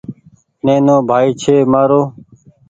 نينو ڀآئي ڇي مآرو ۔